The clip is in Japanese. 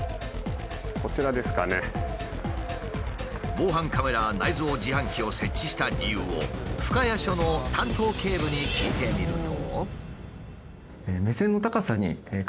防犯カメラ内蔵自販機を設置した理由を深谷署の担当警部に聞いてみると。